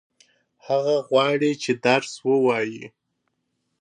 هغه غواړي چې درس ووايي.